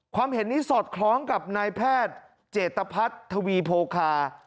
ความเห็นนี้สอดคล้องกับนายแพทย์เจตภัทรทวีโพคา